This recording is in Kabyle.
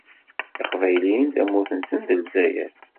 Iqbayliyen tamurt-nsen d Lezzayer.